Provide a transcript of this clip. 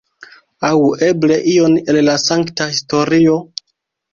Aŭ eble ion el la sankta historio?